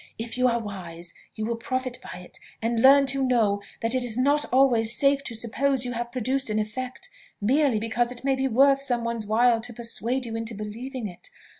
If you are wise, you will profit by it, and learn to know that it is not always safe to suppose you have produced an effect, merely because it may be worth some one's while to persuade you into believing it.